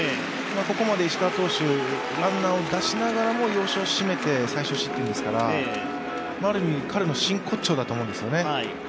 ここまで石川投手、ランナーを出しながらも要所を締めて最少失点ですから彼の真骨頂だと思うんですね。